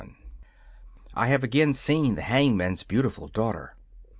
7 I have again seen the hangman's beautiful daughter.